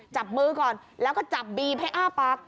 จับมือก่อนแล้วก็จับบีบให้อ้าปาก